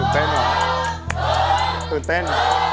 ตื่นเต้น